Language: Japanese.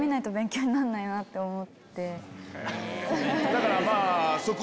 だからまぁ。